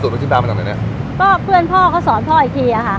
พี่พี่ก็สอนพ่ออีกทีอะคะ